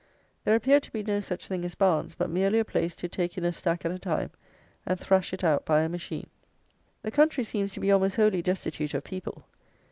There appeared to be no such thing as barns, but merely a place to take in a stack at a time, and thrash it out by a machine. The country seems to be almost wholly destitute of people.